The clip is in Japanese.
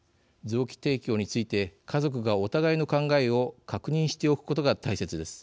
臓器提供について家族がお互いの考えを確認しておくことが大切です。